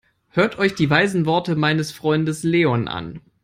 Hört euch die weisen Worte meines Freundes Leon an!